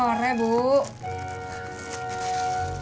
ini lagi nyari yang mau ngantar